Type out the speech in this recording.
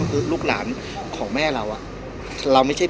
พี่อัดมาสองวันไม่มีใครรู้หรอก